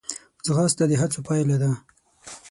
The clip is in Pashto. ځغاسته د هڅو پایله ده